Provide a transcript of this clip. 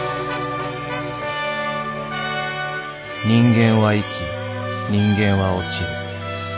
「人間は生き人間は堕ちる。